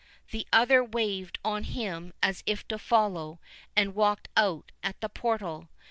The other waved on him as if to follow, and walked out at the portal.